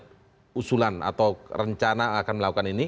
efektif anda melihat usulan atau rencana akan melakukan ini